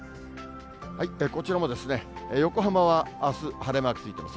こちらも横浜はあす晴れマークついてます。